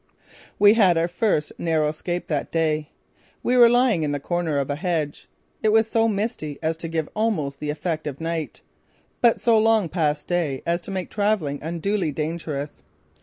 We had our first narrow escape that day. We were lying in the corner of a hedge. It was so misty as to give almost the effect of night, but so long past day as to make travelling unduly dangerous.